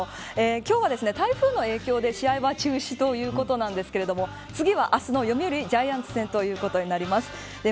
今日は、台風の影響で試合は中止ということなんですけれども次は明日の読売ジャイアンツ戦ということになります。